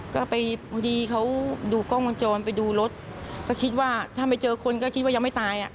ไปเนี่ยพอดีเขาดูกล้องมันจอดไปดูรถก็คิดว่าถ้าไม่เจอคนก็คิดว่ายังไม่ตาย